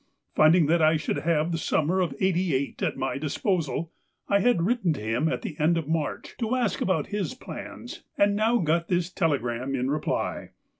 Finding that I should have the summer of '88 at my disposal, I had written to him at the end of March to ask about his plans and now got this telegram in reply.